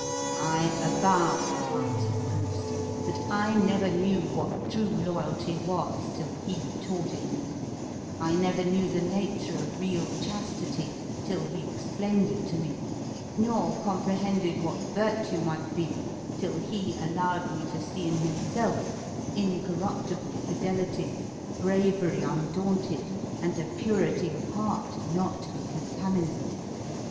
"I avow," answered Bruce, "that I never knew what true loyalty was till he taught it me; I never knew the nature of real chastity till he explained it to me; nor comprehended what virtue might be till he allowed me to see in himself incorruptible fidelity, bravery undaunted, and a purity of heart not to be contaminated!